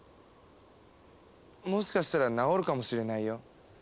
もしかしたら治るかもしれないよ。